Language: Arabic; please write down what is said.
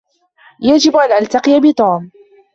يجب أن ألتقي بتوم.